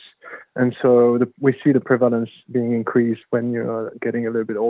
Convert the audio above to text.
jadi kita melihat kekurangan yang meningkat ketika anda menjadi lebih tua